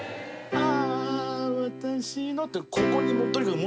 ああ！